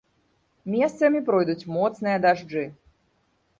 Месцамі пройдуць моцныя дажджы.